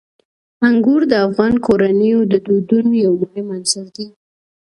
انګور د افغان کورنیو د دودونو یو مهم عنصر دی.